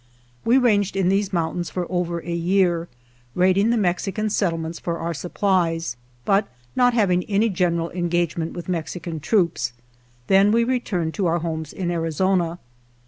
We ranged in these mountains for over a year, raiding the Mex ican settlements for our supplies, but not having any general engagement with Mex ican troops; then we returned to our homes in Arizona.